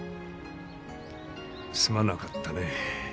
すまなかったね